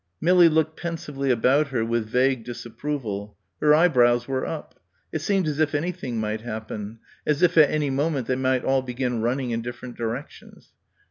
Millie looked pensively about her with vague disapproval. Her eyebrows were up. It seemed as if anything might happen; as if at any moment they might all begin running in different directions.